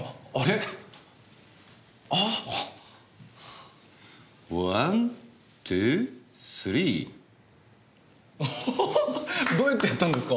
あはははっどうやってやったんですか？